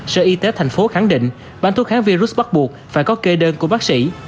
sở y tế thành phố khẳng định bán thuốc kháng virus bắt buộc phải có kê đơn của bác sĩ